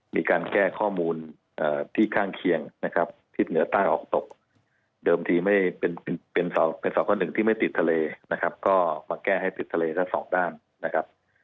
มีการแก้ข้อมูลที่ข้างเคียงนะครับทิศเหนือใต้ออกตกเดิมทีไม่เป็นสค๑ที่ไม่ติดทะเลนะครับก็มาแก้ให้ติดทะเลทั้งสองด้านนะครับ